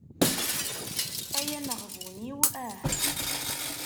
Ay ameɣbun-iw ah.